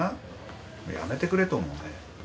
やめてくれと思うね。